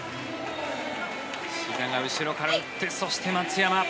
志田が後ろから打ってそして、松山。